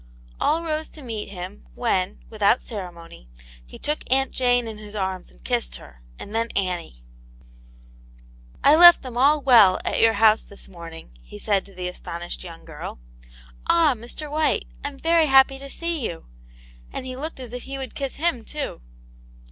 All rose to meet him, when, without ceremony, he took Aunt Jane in his arms and kissed her, and then Annie. " I left them all well at your house this morning," he said to the astonished young girl. "Ah, Mr. White, I'm very happy to see you," and he looked as if he would kiss him too.